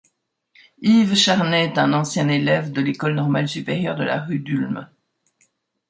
Yves Charnet est un ancien élève de l'École normale supérieure de la rue d'Ulm.